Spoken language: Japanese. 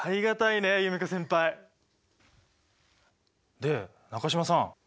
で中島さん